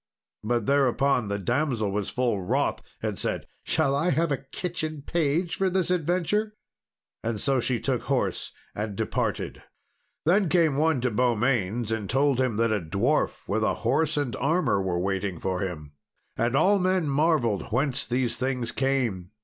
But thereupon the damsel was full wroth, and said, "Shall I have a kitchen page for this adventure?" and so she took horse and departed. Then came one to Beaumains, and told him that a dwarf with a horse and armour were waiting for him. And all men marvelled whence these things came.